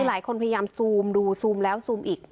หลายคนพยายามซูมดูซูมแล้วซูมอีก